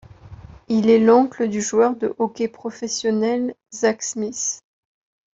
Il est l'oncle du joueur de hockey professionnel, Zack Smith.